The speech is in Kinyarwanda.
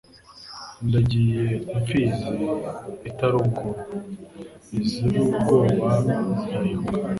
Ndagiye impfizi itari ubwoba, Iziri ubwoba zirayihunga